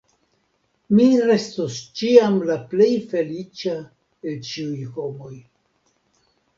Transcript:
Mi restos ĉiam la plej feliĉa el ĉiuj homoj.